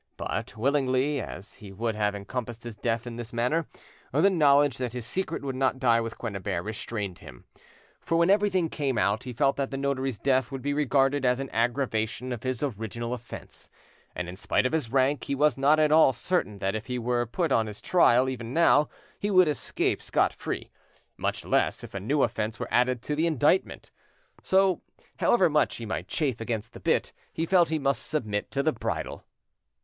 But willingly as he would have encompassed his death in this manner, the knowledge that his secret would not die with Quennebert restrained him, for when everything came out he felt that the notary's death would be regarded as an aggravation of his original offence, and in spite of his rank he was not at all certain that if he were put on his trial even now he would escape scot free, much less if a new offence were added to the indictment. So, however much he might chafe against the bit, he felt he must submit to the bridle.